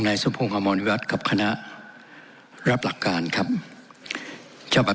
นายสภงอมวณวิราตกับคณะรับหลักการครับจบับ